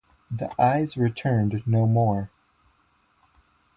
The eyes returned no more.